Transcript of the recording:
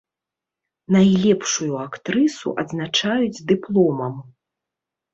Найлепшую актрысу адзначаюць дыпломам.